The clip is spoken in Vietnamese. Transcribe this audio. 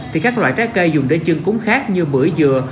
thì các loại trái cây dùng để chân cúng khác như bưởi dừa